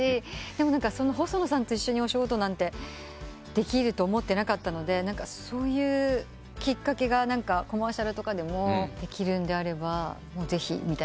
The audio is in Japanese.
でも細野さんと一緒にお仕事なんてできると思ってなかったのでそういうきっかけがコマーシャルとかでもできるんであればぜひみたいな。